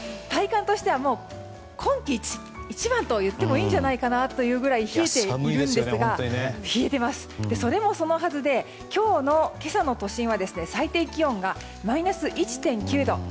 体感としては今季一番といってもいいんじゃないかなというぐらい冷えているんですがそれもそのはずで今日の今朝の都心は最低気温がマイナス１．９度。